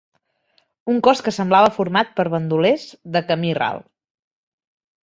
Un cos que semblava format per bandolers de camí ral